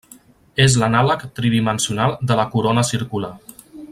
És l'anàleg tridimensional de la corona circular.